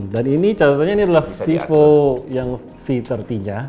dan ini catatannya ini adalah vivo yang v tiga puluh nya